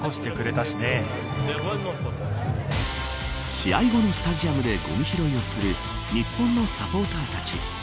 試合後のスタジアムでごみ拾いをする日本のサポーターたち。